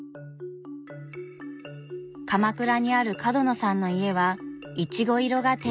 鎌倉にある角野さんの家はいちご色がテーマカラーです。